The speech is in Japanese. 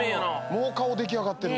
もう顔出来上がってる。